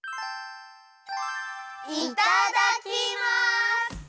いただきます。